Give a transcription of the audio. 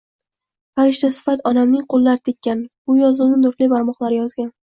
«farishtasifat onamning qo'llari tekkan, buyozuvni nurli barmoqlari yozgan»